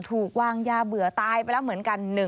ถูกวางยาเบื่อตายไปแล้วเหมือนกัน